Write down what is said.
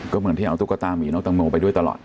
ก็เหมือนที่เอาตุ๊กตามีน้องตังโมไปด้วยตลอด